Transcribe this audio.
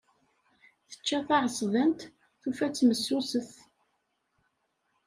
Tečča taεeṣbant, tufa-tt messuset.